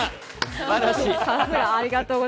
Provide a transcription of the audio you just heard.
すばらしい。